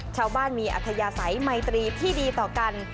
ชาวบ้านมีอัธยาศัยไมตรีที่ดีต่อกัน